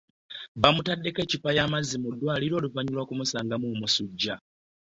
Bamutadeko eccupa yamazzi mu ddwaliro oluvanyuma lwo kumusangamu omusujja.